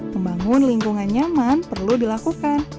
membangun lingkungan nyaman perlu dilakukan